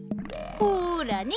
ほらね。